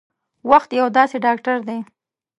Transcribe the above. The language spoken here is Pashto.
وخت یو داسې ډاکټر دی